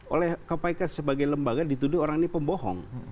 oleh kpk sebagai lembaga dituduh orang ini pembohong